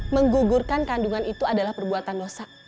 menggugurkan kandungan itu adalah perbuatan dosa